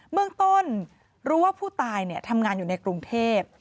เมืองต้นรู้ว่าผู้ตายทำงานอยู่ในกรุงเทพ